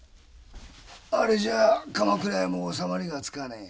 あれじゃ鎌倉屋も収まりがつかねえ。